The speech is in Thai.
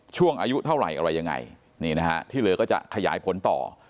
ช่วงอายุเท่าไหร่อะไรยังไงนี่นะฮะที่เหลือก็จะขยายผลต่อ